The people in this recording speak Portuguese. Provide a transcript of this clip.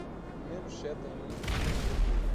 Menos sete em um número negativo.